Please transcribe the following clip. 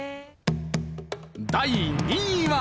第２位は。